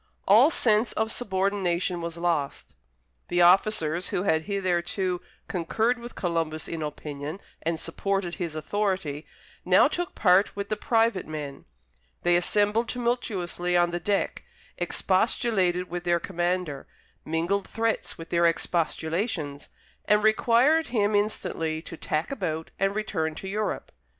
All sense of subordination was lost. The officers, who had hitherto concurred with Columbus in opinion, and supported his authority, now took part with the private men; they assembled tumultuously on the deck, expostulated with their commander, mingled threats with their expostulations, and required him instantly to tack about and return to Europe.